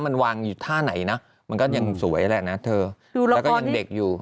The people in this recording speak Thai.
มันวางอยู่ท่าไหนนะมันก็ยังสวยแหละนะเธอแล้วก็ยังเด็กอยู่